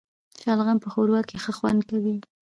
شلغم په ښوروا کي ښه خوند کوي